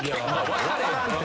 分かれへんねんて。